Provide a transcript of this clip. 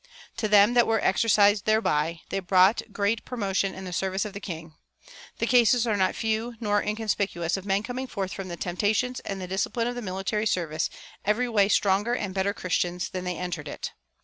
To "them that were exercised thereby" they brought great promotion in the service of the King. The cases are not few nor inconspicuous of men coming forth from the temptations and the discipline of the military service every way stronger and better Christians than they entered it.